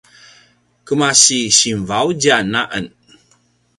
kemasi sinvaudjan a en